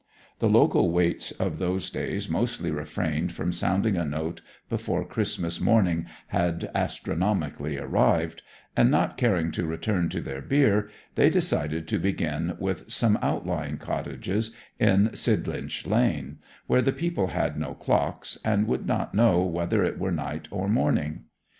The local waits of those days mostly refrained from sounding a note before Christmas morning had astronomically arrived, and not caring to return to their beer, they decided to begin with some outlying cottages in Sidlinch Lane, where the people had no clocks, and would not know whether it were night or morning.